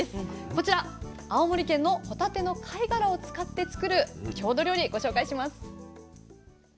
こちら青森県のホタテの貝殻を使って作る郷土料理ご紹介します。